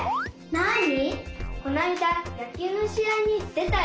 なに？